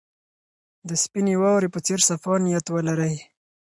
د سپینې واورې په څېر صفا نیت ولرئ.